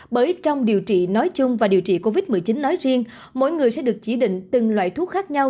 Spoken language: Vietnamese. bởi trong điều trị nói chung và điều trị covid một mươi chín nói riêng mỗi người sẽ được chỉ định từng loại thuốc khác nhau